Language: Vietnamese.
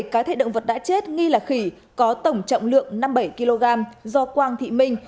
một cá thể động vật đã chết nghi là khỉ có tổng trọng lượng năm mươi bảy kg do quang thị minh